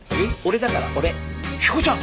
彦ちゃん！？